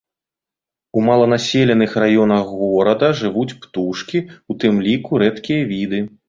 У мала населеных раёнах горада жывуць птушкі, у тым ліку рэдкія віды.